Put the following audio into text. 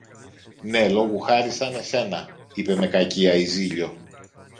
Ναι, λόγου χάρη σαν εσένα, είπε με κακία η Ζήλιω.